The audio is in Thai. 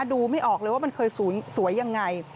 ดูไม่ออกเลยว่ามันเคยสวยยังไง